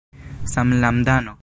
samlandano